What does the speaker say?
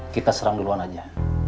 kita serang duluan aja